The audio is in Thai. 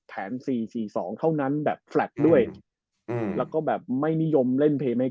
แผนสี่สี่สองเท่านั้นแบบด้วยอืมแล้วก็แบบไม่นิยมเล่น